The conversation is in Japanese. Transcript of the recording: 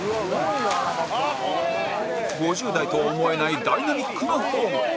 ５０代とは思えないダイナミックなフォーム